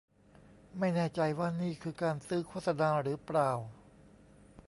ไม่แน่ใจว่านี่คือการซื้อโฆษณาหรือเปล่า